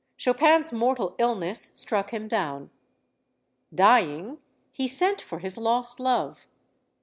Chopin's mortal ill ness struck him down. Dying, he sent for his lost love.